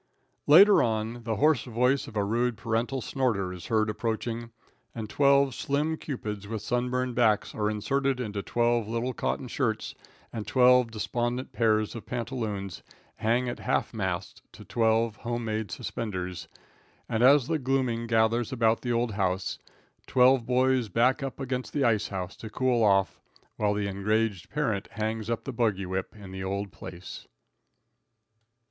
] Later on, the hoarse voice of a rude parental snorter is heard approaching, and twelve slim Cupids with sunburned backs are inserted into twelve little cotton shirts and twelve despondent pairs of pantaloons hang at half mast to twelve home made suspenders, and as the gloaming gathers about the old home, twelve boys back up against the ice house to cool off, while the enraged parent hangs up the buggy whip in the old place.